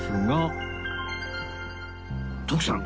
徳さん